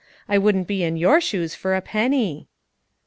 I wouldn't be in your shoes for a penny."